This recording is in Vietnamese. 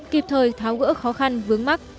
kịp thời tháo gỡ khó khăn vướng mắt